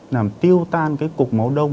làm tiêu tan cái cục máu đông